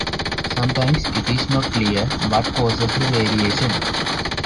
Sometimes, it is not clear what causes the variation.